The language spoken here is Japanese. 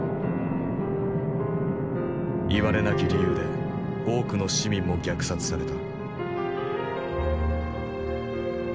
いわれなき理由で多くの市民も虐殺された。